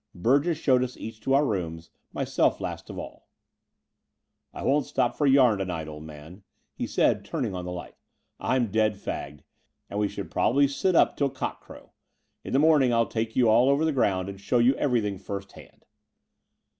Burgess showed us each to our rooms, myself last of all. I won't stop for a yam to night, old man," he said, ttmiing on the light. I'm dead fagged; and we should probably sit up till cock crow. In the morning I'll take you all over the ground and show you everything first hand."